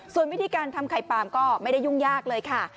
ส่วนวิธีการทำไข่ปลามก็ไม่ได้ยุ่งยากเลยค่ะ